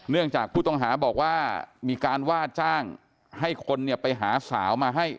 เนื่องจากผู้ต้องหาบอกว่ามีการว่าจ้างให้คนไปหาสาวมาให้